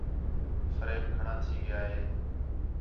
فریب گھݨاں تھی ڳِیا ہِے